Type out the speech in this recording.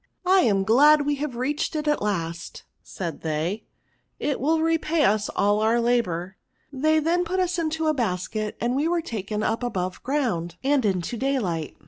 ^ I am glad we have reached it at last,* said they, * it wiU repay us all oux labour.' They then put us into the basket, and we were taken up above ground, and into daylight.